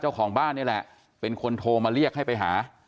เจ้าของบ้านนี่แหละเป็นคนโทรมาเรียกให้ไปหา